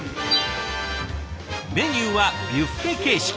メニューはビュッフェ形式。